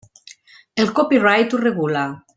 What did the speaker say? El copyright ho regula.